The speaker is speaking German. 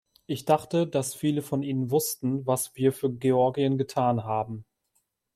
Ich dachte, dass viele von Ihnen wussten, was wir für Georgien getan haben.